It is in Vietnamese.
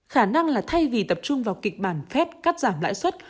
khả năng là thay vì tập trung vào kịch bản phép cắt giảm lãi suất